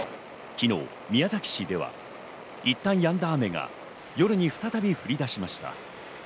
昨日、宮崎市ではいったんやんだ雨が夜に再び降り出しました。